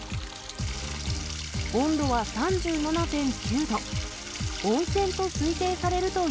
温度は３７．９度。